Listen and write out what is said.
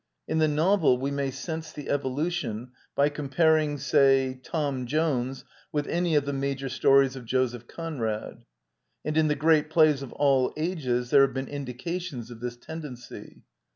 In the novel we may sense the evolution by comparing, say, "Tom Jones" with any of the major stories of Joseph Conrad. And in the great plays of all ages there have been indications of this tendency.